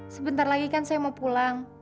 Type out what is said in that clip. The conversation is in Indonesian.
sebentar lagi kan saya mau pulang